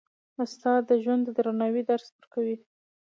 استاد د ژوند د درناوي درس ورکوي.